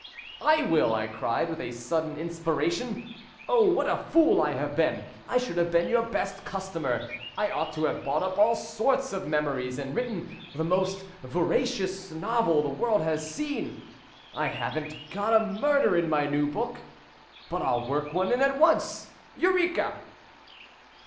"I will!" I cried, with a sudden inspiration. "Oh! what a fool I have been. I should have been your best customer. I ought to have bought up all sorts of memories, and written the most veracious novel the world has seen. I haven't got a murder in my new book, but I'll work one in at once. '_Eureka!